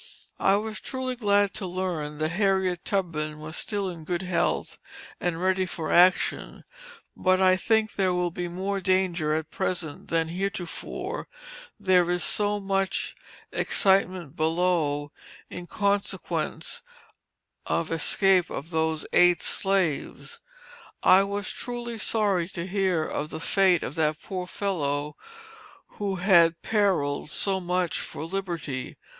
"I was truly glad to learn that Harriet Tubman was still in good health and ready for action, but I think there will be more danger at present than heretofore, there is so much excitement below in consequence of the escape of those eight slaves. I was truly sorry to hear of the fate of that poor fellow who had periled so much for liberty.